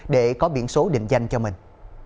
để có biển số định danh cho mình